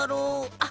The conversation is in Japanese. あっ！